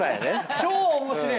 超面白え。